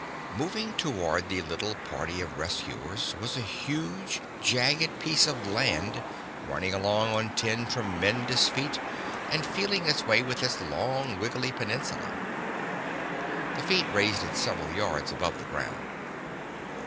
Moving toward the little party of rescuers was a huge jagged piece of land, running along on ten tremendous feet and feeling its way with its long wiggly peninsula. The feet raised it several yards above the ground.